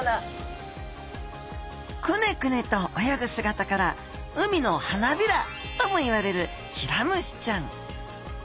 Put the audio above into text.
クネクネと泳ぐ姿から海の花びらともいわれるヒラムシちゃん。